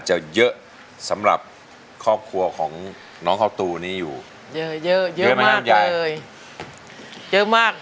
จะเยอะสำหรับครอบครัวของน้องข้าวตูนี้อยู่เยอะเยอะเยอะมากใหญ่เลยเยอะมาก